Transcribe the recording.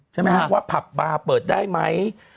ใช่ไหมฮะว่าผับบาร์เปิดได้ไหม